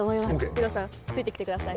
二朗さんついてきてください。